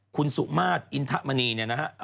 คุณสุมาตรอินทะมณีเนี่ยนะฮะ